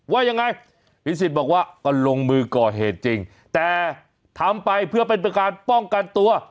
ว่ายังไงพิสิทธิ์บอกว่าก็ลงมือก่อเหตุจริงแต่ทำไปเพื่อเป็นประการป้องกันตัว